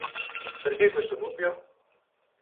Perché questo dubbio?